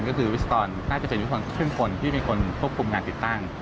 ก็คือวิศวกรครึ่งคนที่เป็นคนควบคุมงานติดตั้ง